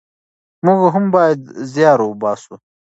موږ هم بايد زيار وباسو.